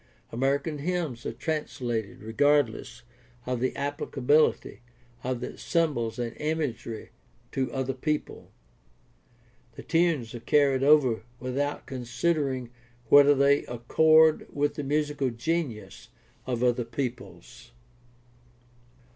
American hymns are translated regardless of the appHcability of the symbols and imagery to another people. The tunes are carried over withoutconsidering whether they accord with the musical genius of other peoples.